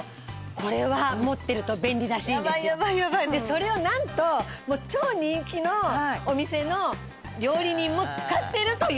それをなんと超人気のお店の料理人も使ってるという。